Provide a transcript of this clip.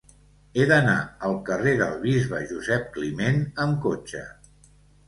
He d'anar al carrer del Bisbe Josep Climent amb cotxe.